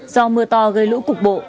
do mưa to gây lũ cục bộ